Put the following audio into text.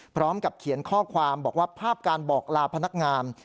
พร้อมกับเขียนข้อความบอกว่าภาพการบอกลาพนักงาน